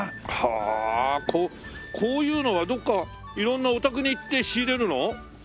はあこういうのはどっか色んなお宅に行って仕入れるの？